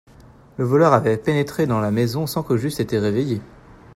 Le voleur avait pénétré dans la maison sans que j'eusse été réveillé.